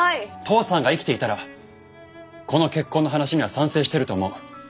父さんが生きていたらこの結婚の話には賛成してると思う。